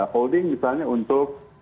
holding misalnya untuk